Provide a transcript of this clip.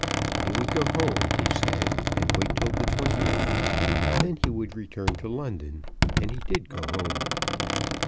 He would go home, he said, and wait till the 20th. Then he would return to London. And he did go home.